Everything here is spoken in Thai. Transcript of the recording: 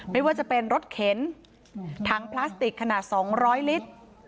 ไม่ว่าจะเป็นรถเข็นถังพลาสติกขนาด๒๐๐ลิตร